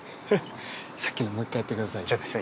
さっきのもう一回やってくださいよ。